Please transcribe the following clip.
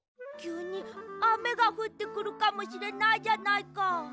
きゅうにあめがふってくるかもしれないじゃないか。